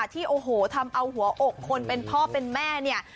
ที่โอ้โหทำเอาหัวอกคนเป็นพ่อเป็นแม่เนี่ย